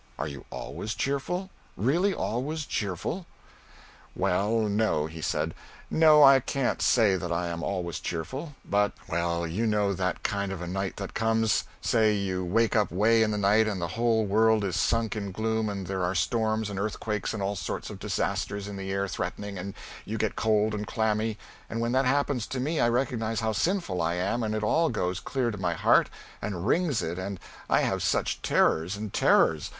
Are you always cheerful? Really always cheerful?" "Well, no," he said, "no, I can't say that I am always cheerful, but well, you know that kind of a night that comes: say you wake up 'way in the night and the whole world is sunk in gloom and there are storms and earthquakes and all sorts of disasters in the air threatening, and you get cold and clammy; and when that happens to me I recognize how sinful I am and it all goes clear to my heart and wrings it and I have such terrors and terrors!